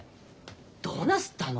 どうなすったの？